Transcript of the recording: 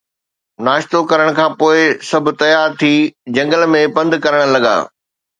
ناشتو ڪرڻ کان پوءِ سڀ تيار ٿي جنگل ۾ پنڌ ڪرڻ لڳا